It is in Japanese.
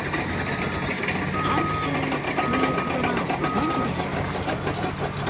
「監修」という言葉をご存じでしょうか？